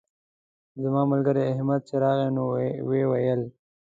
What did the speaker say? زما ملګری احمد چې راغی نو ویې ویل.